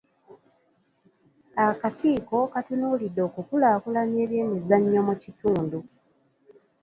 Akakiiko katunuulidde okukulaakulanya ebyemizannyo mu kitundu.